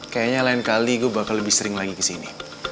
kayaknya lain kali gue bakal lebih sering lagi kesini